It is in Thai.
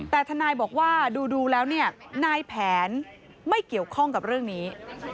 แต่ทนายบอกว่าดูแล้วเนี่ยนายแผนไม่เกี่ยวข้องกับเรื่องนี้